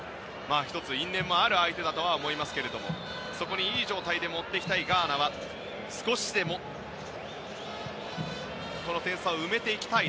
１つ因縁もある相手だとは思いますがそこにいい状態で持っていきたいガーナは少しでも点差を埋めていきたい